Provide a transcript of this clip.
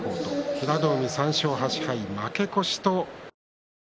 平戸海、３勝８敗負け越しとなりました。